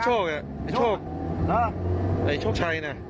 ไอ้โชคไอ้โชคไอ้โชคชัยนะ